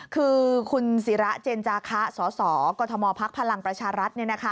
คือคุณศิระเจนจาคะสสกมพักพลังประชารัฐ